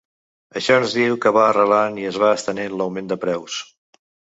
Això ens diu que va arrelant i es va estenent l’augment de preus.